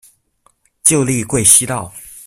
旧隶贵西道。